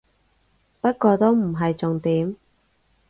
不過都唔係重點